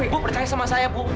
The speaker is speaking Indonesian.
ibu percaya sama saya bu